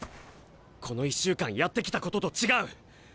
この１週間やってきたことと違う。